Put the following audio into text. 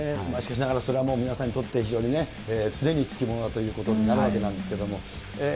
しかしながら、それはもう皆さんにとって非常にね、常につきものだということになるわけなんですけれども。